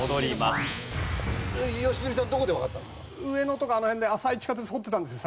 上野とかあの辺で浅い地下鉄掘ってたんですよ